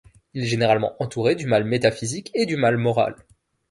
Il est généralement entouré du mal métaphysique et du mal moral.